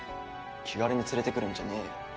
気軽に連れてくるんじゃねえよ。